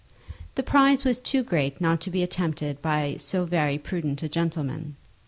The prize was too great not to be attempted by so very prudent a gentleman.